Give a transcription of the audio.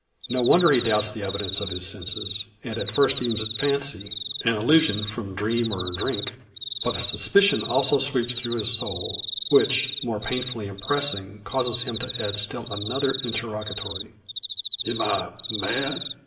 No wonder he doubts the evidence of his senses, and at first deems it fancy an illusion from dream or drink. But a suspicion also sweeps through his soul, which, more painfully impressing, causes him to add still another interrogatory: "Am I mad?"